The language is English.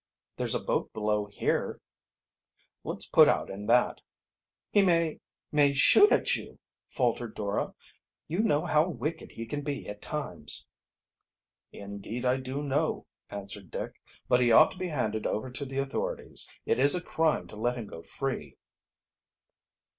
"There's a boat below here," said Dick. "Let's put out in that." "He may may shoot at you," faltered Dora. "You know how wicked he can be at times." "Indeed I do know," answered Dick. "But he ought to be handed over to the authorities. It is a crime to let him go free."